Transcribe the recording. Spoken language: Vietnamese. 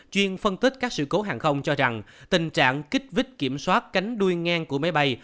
chuyên phân tích các sự cố hàng không cho rằng tình trạng kích vít kiểm soát cánh đuôi ngang của máy bay